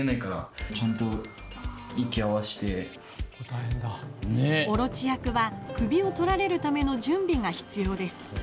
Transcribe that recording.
大蛇役は首を取られるための準備が必要です。